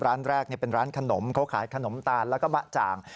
ร้านแรกเป็นร้านขนมเขาขายขนมตาลแล้วก็บะจ่าง